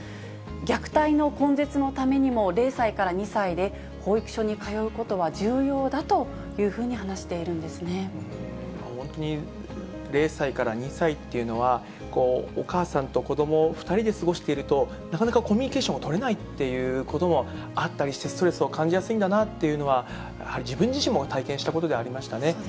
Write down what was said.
虐待の根絶のためにも、０歳から２歳で保育所に通うことは重要だというふうに話している本当に０歳から２歳っていうのは、お母さんと子ども、２人で過ごしていると、なかなかコミュニケーションを取れないっていうこともあったりして、ストレスを感じやすいんだなっていうのは、やはり自分自身も体験したことではありましたね。